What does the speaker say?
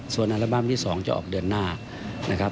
ส่วนอัลบั้มที่๒จะออกเดือนหน้านะครับ